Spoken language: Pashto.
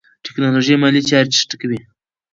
ټیکنالوژي مالي چارې چټکوي.